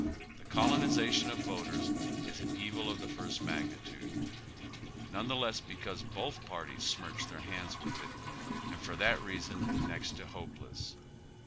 The colonization of voters is an evil of the first magnitude, none the less because both parties smirch their hands with it, and for tliat reason next to hopeless.